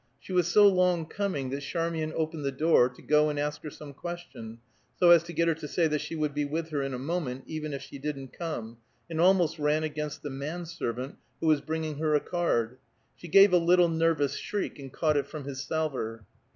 She was so long coming that Charmian opened the door, to go and ask her some question, so as to get her to say that she would be with her in a moment, even if she didn't come, and almost ran against the man servant, who was bringing her a card. She gave a little nervous shriek, and caught it from his salver.